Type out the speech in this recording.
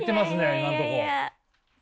今のとこ。